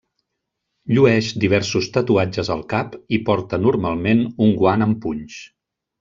Llueix diversos tatuatges al cap i porta normalment un guant amb punys.